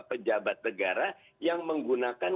pejabat negara yang menggunakan